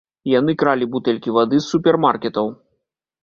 Яны кралі бутэлькі вады з супермаркетаў.